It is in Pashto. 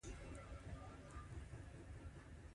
دوی یو له بل سره مرسته نه شوه کولای.